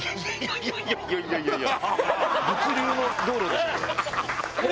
いやいやいやいや。